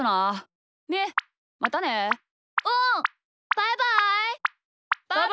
バイバイ。